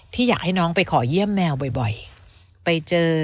อยากให้น้องไปขอเยี่ยมแมวบ่อยไปเจอ